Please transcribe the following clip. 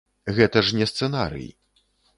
Гэта ж не сцэнарый.